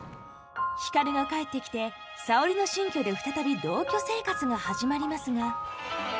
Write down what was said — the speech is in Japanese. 光が帰ってきて沙織の新居で再び同居生活が始まりますが。